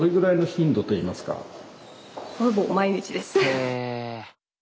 へえ。